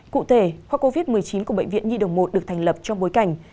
cụ thể khoa covid một mươi chín của bệnh viện nhi đồng một được thành lập trong bối cảnh